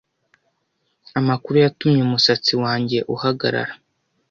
Amakuru yatumye umusatsi wanjye uhagarara.